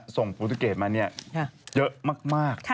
ส่งโปรตุเกตมาเนี่ยเยอะมาก